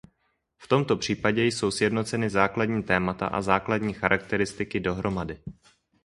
V tomto případě jsou sjednoceny základní témata a základní charakteristiky dohromady.